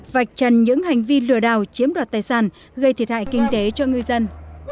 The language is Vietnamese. vạch trần những hành vi lừa đảo chiếm đoạt tài sản gây thiệt hại kinh tế cho ngư dân